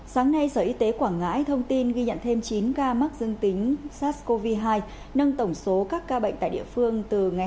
sáng nay sở y tế quảng ngãi thông tin ghi nhận thêm chín ca mắc dương tính sars cov hai nâng tổng số các ca bệnh tại địa phương từ ngày hai mươi sáu tháng sáu đến nay lên tám mươi một ca